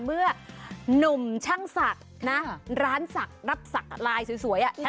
เมื่อหนุ่มช่างศักดิ์นะร้านศักดิ์รับศักดิ์ไลน์สวยอ่ะ